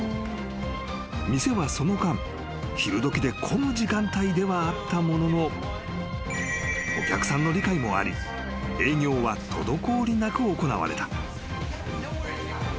［店はその間昼時で混む時間帯ではあったもののお客さんの理解もあり営業は滞りなく行われた］